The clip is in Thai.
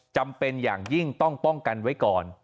จำเป็นอย่างยิ่งต้องป้องกันไว้ก่อน